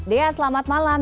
dea selamat malam